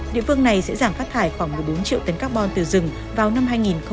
địa phương này sẽ giảm phát thải khoảng một mươi bốn triệu tấn carbon từ rừng vào năm hai nghìn ba mươi